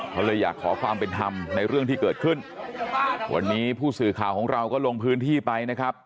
เขาเลยอยากขอความเป็นธรรมในเรื่องที่เกิดขึ้นวันนี้ผู้สื่อข่าวของเราก็ลงพื้นที่ไปนะครับ